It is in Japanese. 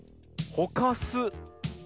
ほかす。